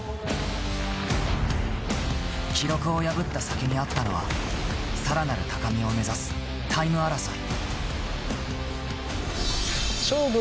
記録を破った先にあったのはさらなる高みを目指すタイム争い。